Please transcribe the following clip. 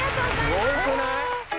すごくない？